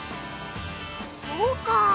そうかあ。